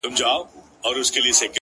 مړه راگوري مړه اكثر،